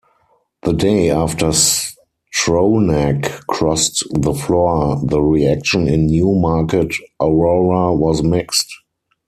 The day after Stronach crossed the floor, the reaction in Newmarket-Aurora was mixed.